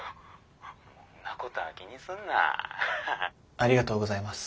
ありがとうございます。